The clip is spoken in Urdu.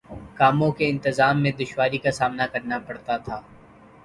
کاموں کے انتظام میں دشواری کا سامنا کرنا پڑتا تھا